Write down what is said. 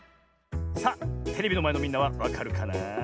さあテレビのまえのみんなはわかるかな。